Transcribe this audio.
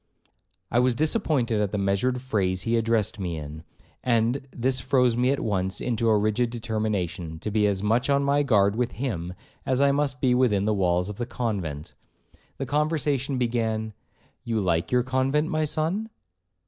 'I was disappointed at the measured phrase he addressed me in, and this froze me at once into a rigid determination, to be as much on my guard with him, as I must be within the walls of the convent. The conversation began, 'You like your convent, my son?'